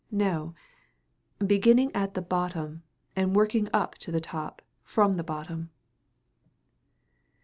No; beginning at the bottom and working up to the top from the bottom.